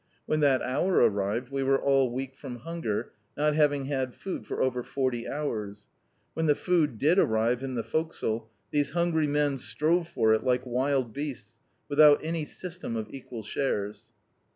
When that hour arrived we were all weak from hunger, not having had food for over forty hours. When the food did arrive in the forecasde, these hungry men strove for it like wild beasts, without any system of equal shares.